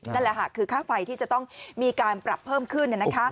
นั่นแหละค่ะคือค่าไฟที่จะต้องมีการปรับเพิ่มขึ้น